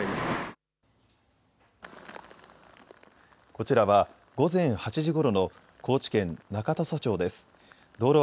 こちらは午前８時ごろの高知県中土佐町です。